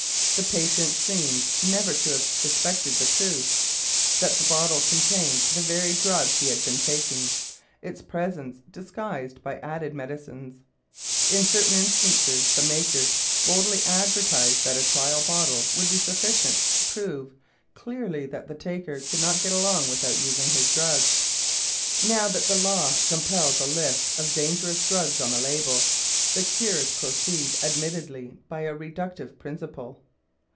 The patient seems never to have suspected the truth that the bottle contained the very drug he had been taking, its presence disguised by added medicines. In certain instances the makers boldly advertised that a trial bottle would be sufficient to prove clearly that the taker could not get along without using his drug. Now that the law compels a list of dangerous drugs on the label, the cures proceed admittedly by a reductive principle.